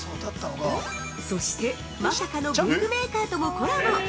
そして、まさかの文具メーカーともコラボ！